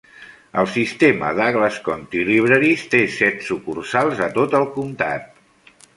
El sistema Douglas County Libraries té set sucursals a tot el comtat.